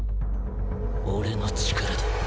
俺の力だ。